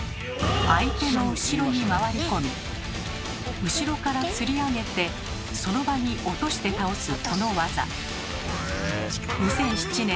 相手の後ろに回り込み後ろから吊り上げてその場に落として倒すこの技。